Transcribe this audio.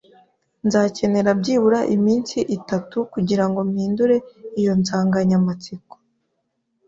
Nzakenera byibura iminsi itatu kugirango mpindure iyo nsanganyamatsiko